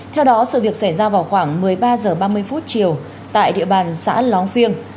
theo đó sự việc xảy ra vào khoảng một mươi ba h ba mươi chiều tại địa bàn xã lóng phiêng